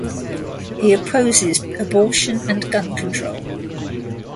He opposes abortion and gun control.